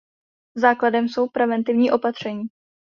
Základem jsou preventivní opatření.